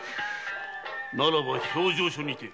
ならば評定所にて。